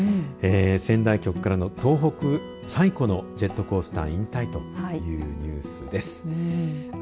仙台局からの東北最古のジェットコースター引退というニュースです。